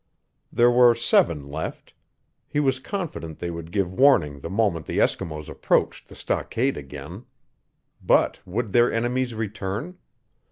There were seven left. He was confident they would give warning the moment the Eskimos approached the stockade again. But would their enemies return?